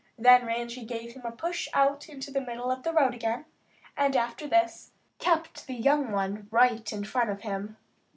Then Ranji gave him a push out into the middle of the road again, and after this kept the young one right in front of him.